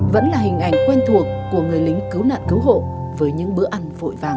vẫn là hình ảnh quen thuộc của người lính cứu nạn cứu hộ với những bữa ăn vội vàng